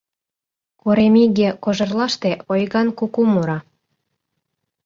Коремиге кожерлаште ойган куку мура.